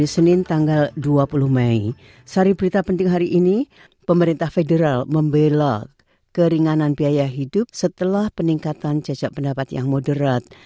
sehari berita penting hari ini pemerintah federal membelak keringanan biaya hidup setelah peningkatan cacat pendapat yang moderat